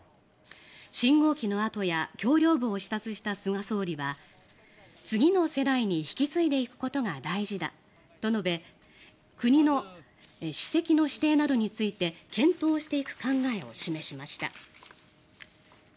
信号機の跡や橋りょう部を視察した菅総理は次の世代に引き継いでいくことが大事だと述べ国の史跡の指定などについて検討していく考えを示しました。